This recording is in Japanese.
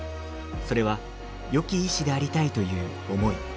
それはよき医師でありたいという思い。